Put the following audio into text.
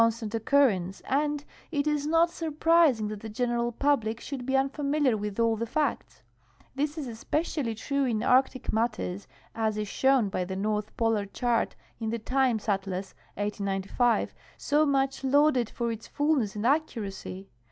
stant occurrence, and it is not sur prising that the general pnlhic should l)e unfamiliar with all the hicts. This is especially true in Arctic matters, as is shown by the North Polar chart in " The Times Atlas," 1895, so much lauded for its fullness and accuracy.